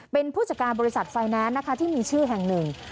เป็นผู้จัดการบริษัทไฟแนนซ์นะคะที่มีชื่อแห่งหนึ่ง